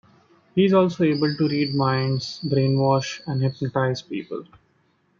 He is also able to read minds, brainwash and hypnotize people.